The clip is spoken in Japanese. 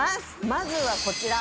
まずはこちら。